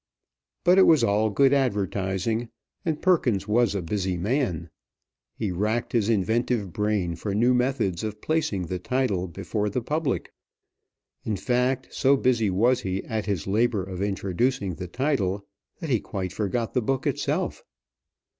But it was all good advertising, and Perkins was a busy man. He racked his inventive brain for new methods of placing the title before the public. In fact, so busy was he at his labor of introducing the title, that he quite forgot the book itself.